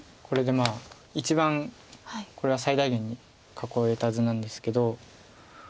これで一番これは最大限に囲えた図なんですけど。